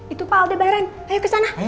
itu pak aldebaran ayo kesana